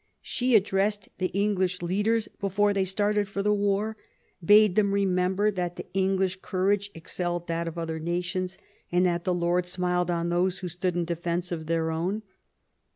She addressed the English leaders before they started for the war, bade them remember that the English courage excelled that of other nations, and that the Lord smiled on those who stood in defence of their own.